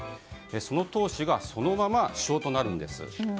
その党首がそのまま首相となるんです。